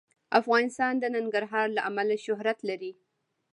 افغانستان د ننګرهار له امله شهرت لري.